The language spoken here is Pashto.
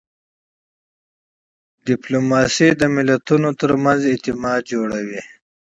ډیپلوماسي د ملتونو ترمنځ اعتماد جوړوي.